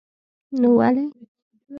نو ولې.